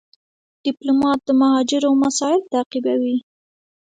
ډيپلومات د مهاجرو مسایل تعقیبوي.